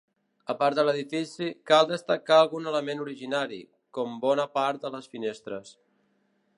A part de l'edifici, cal destacar algun element originari, com bona part de les finestres.